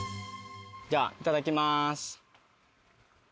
じゃあいただきます。